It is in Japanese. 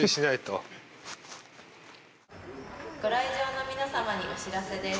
ご来場の皆さまにお知らせです